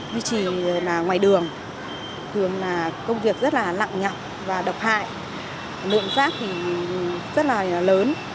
vị trí ngoài đường thường là công việc rất lặng nhọc độc hại lượng rác rất là lớn